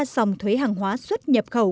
hai ba dòng thuế hàng hóa xuất nhập khẩu